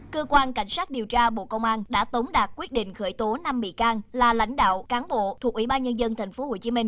cơ quan cảnh sát điều tra bộ công an đã tống đạt quyết định khởi tố năm bị can là lãnh đạo cán bộ thuộc ubnd tp hcm